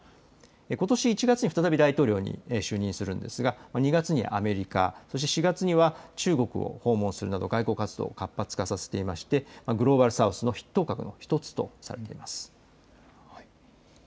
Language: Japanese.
ことし１月に再び大統領に就任するんですが２月にアメリカ、そして４月には中国を訪問するなど外交活動を活発化させていてグローバル・サウスの筆頭格の１つとされています。